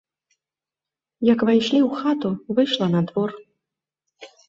Як увайшлі ў хату, выйшла на двор.